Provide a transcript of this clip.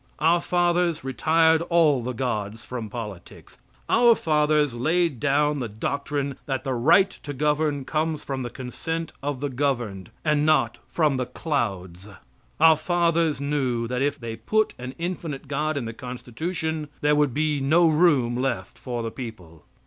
Our fathers retired all the gods from politics. Our fathers laid down the doctrine that the right to govern comes from the consent of the governed, and not from the clouds. Our fathers knew that if they put an infinite God in the Constitution there would be no room left for the people.